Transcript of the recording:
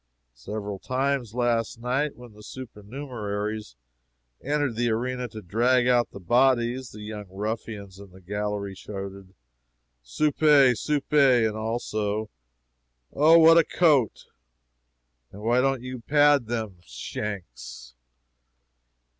Several times last night, when the supernumeraries entered the arena to drag out the bodies, the young ruffians in the gallery shouted, "Supe! supe!" and also, "Oh, what a coat!" and "Why don't you pad them shanks?"